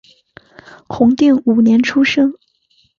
弘定五年出生。